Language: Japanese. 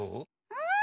うん！